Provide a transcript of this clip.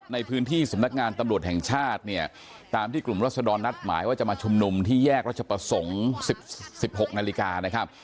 ในพื้นที่สำนักงานตำรวจแห่งชาติเนี่ยตามที่กลุ่มรัศดรนัดหมายว่าจะมาชุมนุมที่แยกรัชประสงค์๑๖นาฬิกานะครับ